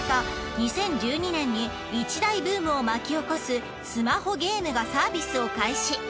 ２０１２年に一大ブームを巻き起こすスマホゲームがサービスを開始。